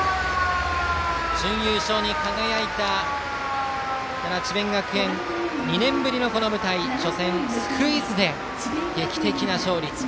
準優勝に輝いた奈良・智弁学園２年ぶりのこの舞台、初戦をスクイズで劇的な勝利。